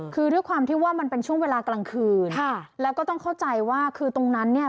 คือด้วยความที่ว่ามันเป็นช่วงเวลากลางคืนค่ะแล้วก็ต้องเข้าใจว่าคือตรงนั้นเนี่ย